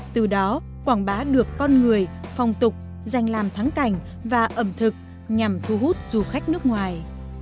từ đó quảng bá được con người phong tục dành làm thắng cảnh và ẩm thực nhằm thu hút du khách nước ngoài